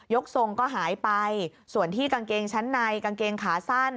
ทรงก็หายไปส่วนที่กางเกงชั้นในกางเกงขาสั้น